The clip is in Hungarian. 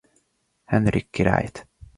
Henrik királyt.